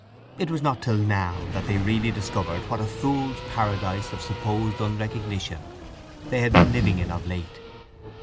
It was not till now that they really discovered what a fools' paradise of supposed unrecognition they had been living in of late.